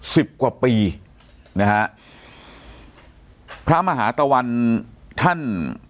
สิบกว่าปีนะฮะพระมหาตะวันท่าน